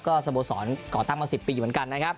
ก็สโมสรก่อตั้งมา๑๐ปีเหมือนกันนะครับ